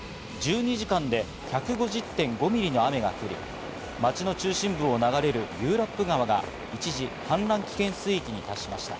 １２時間で１５０．５ミリの雨が降り、町の中心部を流れる遊楽部川が一時、氾濫危険水域に達しました。